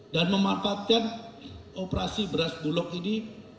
dan memanfaatkan operasi beras bulog ini